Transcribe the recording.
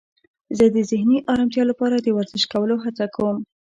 زه د ذهني آرامتیا لپاره د ورزش کولو هڅه کوم.